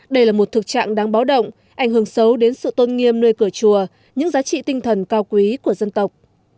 đây là một thực trạng đáng báo động ảnh hưởng xấu đến sự tôn nghiêm nơi cửa chùa những giá trị tinh thần cao quý của dân tộc